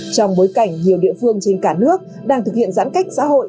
trong bối cảnh nhiều địa phương trên cả nước đang thực hiện giãn cách xã hội